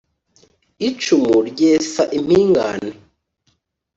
icumu ryesa impingane;